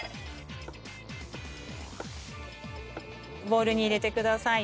ボウルに入れてください。